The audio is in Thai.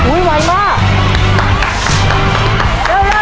มีทั้งหมด๔จานแล้วนะฮะ